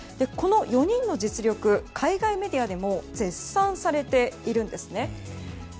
この４人の実力は海外メディアでも絶賛されているんですね。